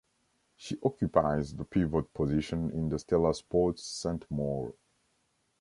She occupies the pivot position in the Stella Sports Saint-Maur.